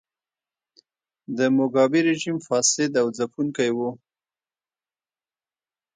د موګابي رژیم فاسد او ځپونکی و.